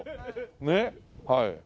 ねっはい。